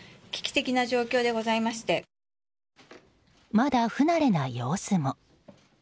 まだ不慣れな様子も。